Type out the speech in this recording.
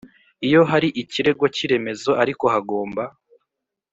Iyo hari ikirego cy iremezo ariko hagomba